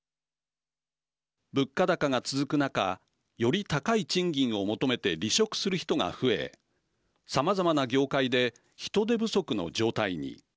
物価高が続く中より高い賃金を求めて離職する人が増えさまざまな業界で人手不足の状態に。